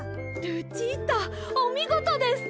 ルチータおみごとです。